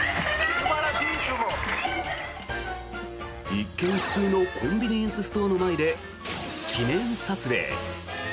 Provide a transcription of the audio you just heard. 一見普通のコンビニエンスストアの前で記念撮影。